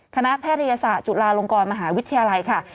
แพทยศาสตร์จุฬาลงกรมหาวิทยาลัยค่ะ